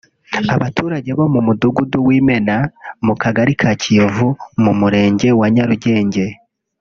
Abaturage bo mu Mudugudu w’Imena mu Kagari ka Kiyovu mu Murenge wa Nyarugenge